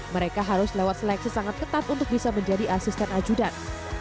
mereka harus lewat seleksi sangat ketat untuk bisa menjadi asisten ajudan